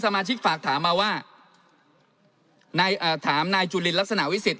สมาชิกฝากถามมาว่าถามนายจุลินลักษณะวิสิท